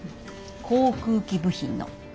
航空機部品の。